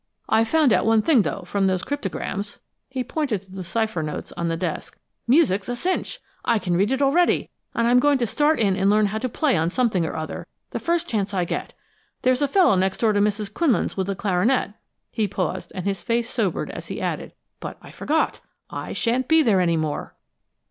I've found out one thing, though, from those cryptograms" he pointed to the cipher notes on the desk. "Music's a cinch! I can read it already, and I'm going to start in and learn how to play on something or other, the first chance I get! There's a fellow next door to Mrs. Quinlan's with a clarinet " He paused, and his face sobered as he added: "But I forgot! I sha'n't be there any more."